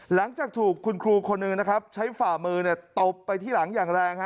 หลังจากถูกคุณครูคนหนึ่งนะครับใช้ฝ่ามือตบไปที่หลังอย่างแรงฮะ